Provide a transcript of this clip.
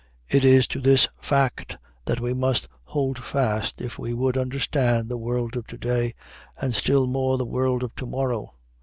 It is to this fact that we must hold fast if we would understand the world of to day, and still more the world of to morrow.